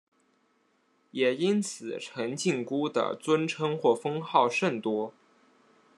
也因此陈靖姑的尊称或封号甚多。